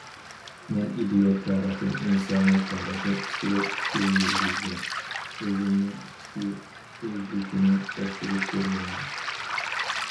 مەن ئىدىيە تارىخى، ئىنسانىيەت تارىخى ئۈستىدە پىكىر يۈرگۈزگەن، ئۆزۈمنىڭ ئىچكى ئۆزلۈكىنى تەكشۈرۈپ كۆرگەنمەن.